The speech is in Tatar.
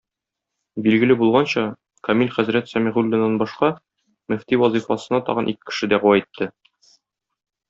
Билгеле булганча, Камил хәзрәт Сәмигуллиннан башка, мөфти вазыйфасына тагын ике кеше дәгъва итте.